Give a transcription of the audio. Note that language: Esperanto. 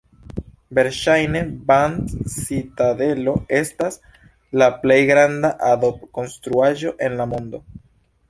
Verŝajne Bam-citadelo estas la plej granda adob-konstruaĵo en la mondo.